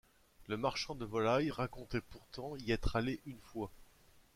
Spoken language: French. Le marchand de volailles racontait pourtant y être allé une fois.